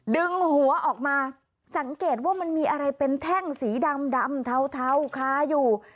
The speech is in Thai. ดึงหัวออกมาสังเกตว่ามันมีอะไรเป็นแท่งสีดำเทาคาอยู่